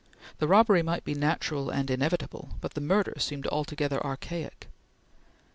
The robbery might be natural and inevitable, but the murder seemed altogether archaic.